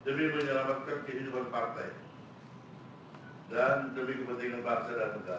demi menyelamatkan kehidupan partai dan demi kepentingan bangsa dan negara